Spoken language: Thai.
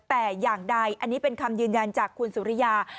แต่อย่างใดอันนี้เป็นคำยืนยันจากคุณสุริยา